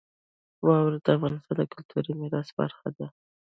واوره د افغانستان د کلتوري میراث برخه ده.